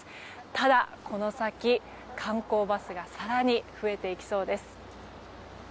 ただこの先、観光バスが更に増えていきそうです。